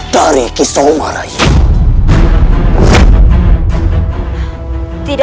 dari kisah umar raih